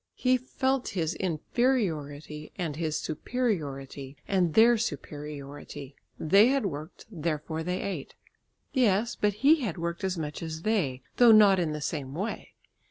He felt his inferiority and his superiority; and their superiority. They had worked; therefore they ate. Yes, but he had worked as much as they, though not in the same way.